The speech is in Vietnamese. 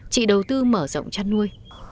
chị đầu tư mở rộng chăn nuôi